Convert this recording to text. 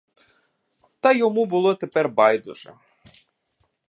Та йому було тепер байдуже.